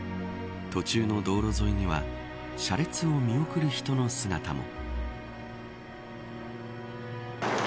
途中の道路沿いには車列を見送る人の姿も。